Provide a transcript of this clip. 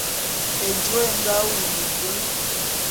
Ejôé é nga wulu be.